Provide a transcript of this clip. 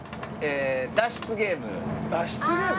脱出ゲーム？ああ。